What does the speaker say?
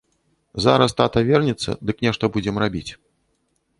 Зараз тата вернецца, дык нешта будзем рабіць.